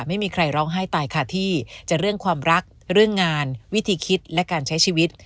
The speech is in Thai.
ไม่มีใครร้องไห้ตายค่ะที่จะเรื่องความรักเรื่องงานวิธีคิดและการใช้ชีวิต